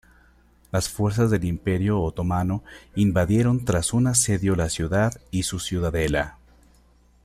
Las fuerzas del Imperio Otomano invadieron tras un asedio la ciudad y su ciudadela.